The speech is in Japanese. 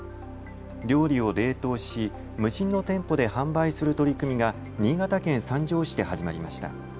料理を冷凍し、無人の店舗で販売する取り組みが新潟県三条市で始まりました。